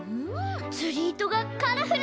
つりいとがカラフルだね！